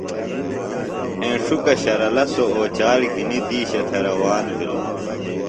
ہینݜُکہ شرلہ سوۡ اوچال گِھنیۡ دِیشہ تھےۡ روان بِھلوۡ۔